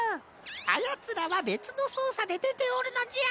あやつらはべつのそうさででておるのじゃ。